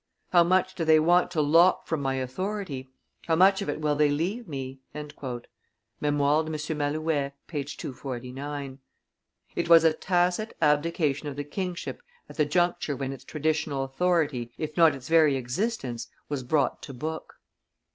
How much do they want to lop from my authority? How much of it will they leave me?" [Memoires de M. Malouet, t. i. p. 249.] It was a tacit abdication of the kingship at the juncture when its traditional authority, if not its very existence, was brought to book.